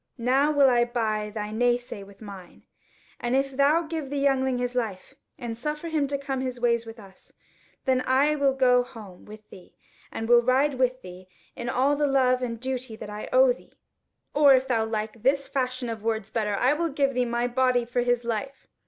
Now will I buy thy nay say with mine, and if thou give the youngling his life, and suffer him to come his ways with us, then will I go home with thee and will ride with thee in all the love and duty that I owe thee; or if thou like this fashion of words better, I will give thee my body for his life.